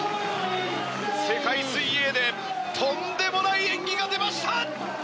世界水泳でとんでもない演技が出ました！